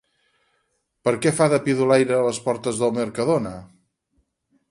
Per què fa de pidolaire a les portes del Mercadona?